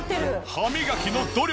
歯磨きの努力